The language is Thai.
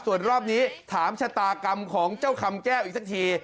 ส่วนรอบนี้ถามชะตากรรมของเจ้าคำแก้วอีกสักที